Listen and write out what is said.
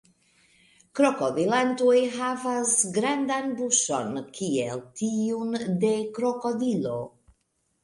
Krokodilantoj havas grandan buŝon kiel tiun de krokodilo.